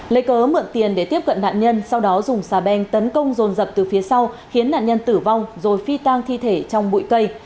lấy cớ mượn tiền để tiếp cận nạn nhân sau đó dùng xà beng tấn công rồn rập từ phía sau khiến nạn nhân tử vong rồi phi tang thi thể trong bụi cây